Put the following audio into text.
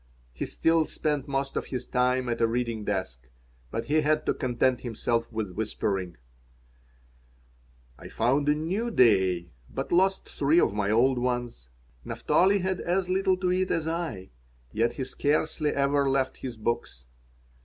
He still spent most of his time at a reading desk, but he had to content himself with whispering I found a new "day," but lost three of my old ones. Naphtali had as little to eat as I, yet he scarcely ever left his books.